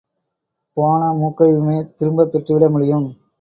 போன மூக்கையுமே திரும்பப் பெற்றுவிட முடியும்.